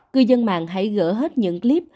cư dân mạng hãy gỡ hết những clip